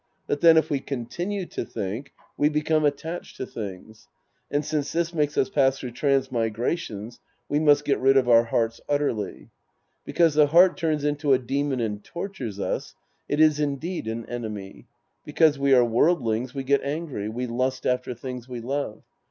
But then if we con tinue to think, we become attached to things ; and since this makes us pass through transmigrations, we must get rid of our hearts utterly. Because the heart turns into a demon and tortures us, it is indeed an enemy. Because we are worldlings, we get angry, we lust after things we love.